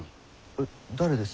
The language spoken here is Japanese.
えっ誰です？